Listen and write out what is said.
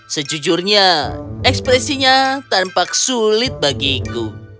sejujurnya ekspresinya tampak sulit bagiku